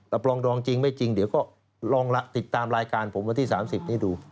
ปรองดองจริงไม่จริงเดี๋ยวก็ลองติดตามรายการผมวันที่๓๐นี้ดู